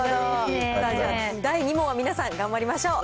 第２問は皆さん頑張りましょう。